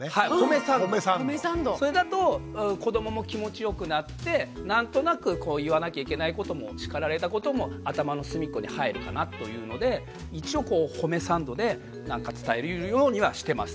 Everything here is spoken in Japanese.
それだと子どもも気持ちよくなって何となく言わなきゃいけないことも叱られたことも頭の隅っこに入るかなというので一応褒めサンドで何か伝えるようにはしてます。